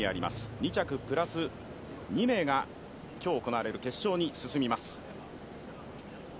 ２着プラス２名が今日、行われる決勝に進みます。